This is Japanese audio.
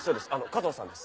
加藤さんです。